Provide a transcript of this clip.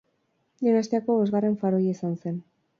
Dinastiako bosgarren faraoia izan zen.